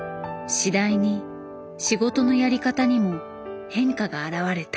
次第に仕事のやり方にも変化が表れた。